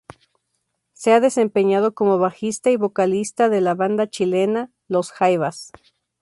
Se ha desempeñado como bajista y vocalista de la banda chilena Los Jaivas.